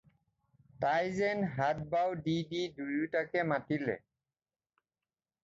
তাই যেন হাত বাও দি দি দুয়োটাকে মাতিলে।